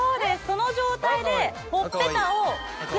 その状態で。